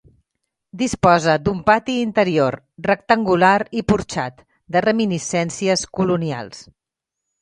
Disposa d'un pati interior, rectangular i porxat, de reminiscències colonials.